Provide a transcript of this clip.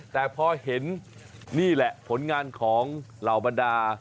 แต่พอเห็นนี่แหละผลงานของเหล่าบรรดา